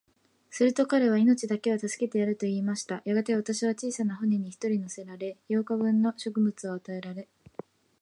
すると彼は、命だけは助けてやる、と言いました。やがて、私は小さな舟に一人乗せられ、八日分の食物を与えられ、